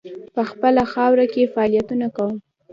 په خپله خاوره کې فعالیتونه کوم.